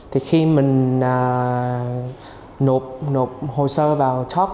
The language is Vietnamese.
thì khi mình nộp hồ sơ vào thoát